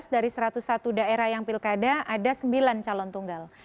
dua ribu tujuh belas dari satu ratus satu daerah yang pil kada ada sembilan calon tunggal